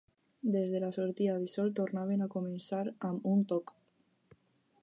Des de la sortida de sol tornaven a començar amb un toc.